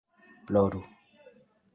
ploru